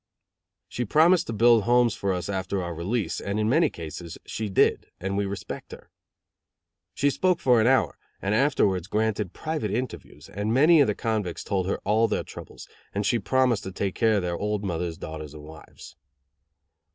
She promised to build homes for us after our release; and in many cases, she did, and we respect her. She spoke for an hour, and afterwards granted private interviews, and many of the convicts told her all their troubles, and she promised to take care of their old mothers, daughters and wives.